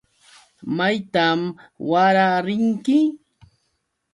¿Maytan wara rinki?